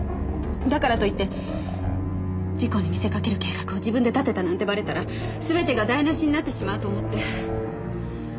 だからといって事故に見せかける計画を自分で立てたなんてばれたら全てが台無しになってしまうと思って。